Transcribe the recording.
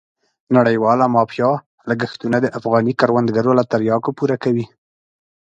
نړیواله مافیا لګښتونه د افغاني کروندو له تریاکو پوره کوي.